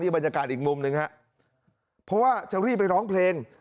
บรรยากาศอีกมุมหนึ่งฮะเพราะว่าจะรีบไปร้องเพลง